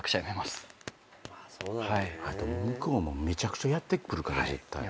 あと向こうもめちゃくちゃやってくるから絶対。